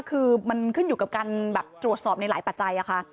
คือมันขึ้นอยู่กับการแบบตรวจสอบในหลายปัจจัยค่ะ